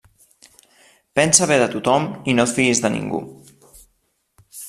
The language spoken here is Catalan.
Pensa bé de tothom i no et fiis de ningú.